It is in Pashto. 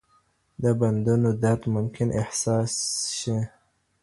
د بندونو درد ممکن احساس شي.